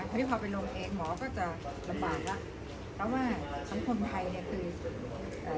ทีนี้พอไปลงเองหมอก็จะลำบากแล้วเพราะว่าสังคมไทยเนี่ยคือเอ่อ